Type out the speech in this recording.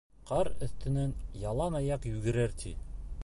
Ҡар өҫтөнән ялан аяҡ йүгерер, ти.